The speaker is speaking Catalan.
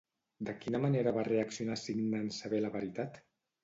De quina manera va reaccionar Cicne en saber la veritat?